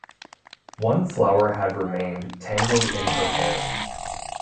One flower had remained tangled in her hair.